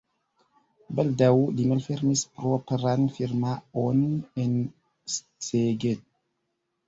Baldaŭ li malfermis propran firmaon en Szeged.